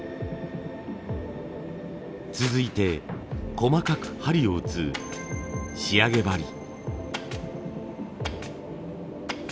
続いて細かく針を打つ仕上げ張り。